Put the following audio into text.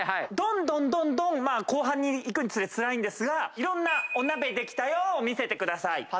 どんどんどんどん後半に行くにつれてつらいんですがいろんな「お鍋できたよ」を見せてください。